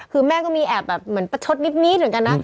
คือแม่ก็มีแอบแบบเหมือนประชดนิดเหมือนกันนะ